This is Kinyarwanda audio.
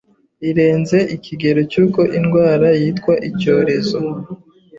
irenze ikigero cy'uko indwara yitwa icyorezo.